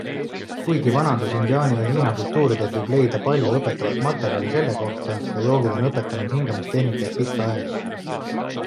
Kuigi vanades indiaani ja hiina kultuurides võib leida palju õpetavat materjali selle kohta ja joogid on õpetanud hingamistehnikaid pikka aega.